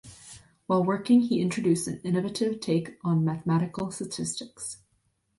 While working he introduced an innovative take on mathematical statistics.